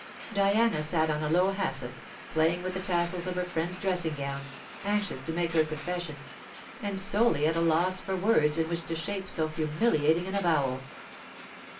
Diana sat on a low hassock, playing with the tassels of her friend's dressing gown, anxious to make her confession, and solely at a loss for words in which to shape so humiliating an avowal.